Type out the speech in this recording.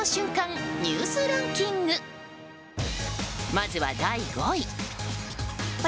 まずは第５位。